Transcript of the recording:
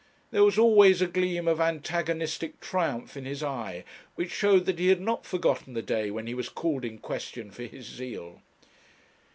There was always a gleam of antagonistic triumph in his eye, which showed that he had not forgotten the day when he was called in question for his zeal.